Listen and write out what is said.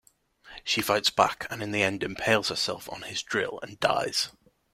She fights back and in the end impales herself on his drill and dies.